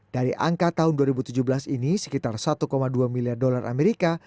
dari angka tahun dua ribu tujuh belas ini sekitar satu dua miliar dolar amerika